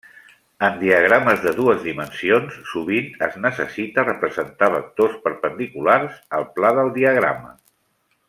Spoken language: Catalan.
En diagrames de dues dimensions, sovint es necessita representar vectors perpendiculars al pla del diagrama.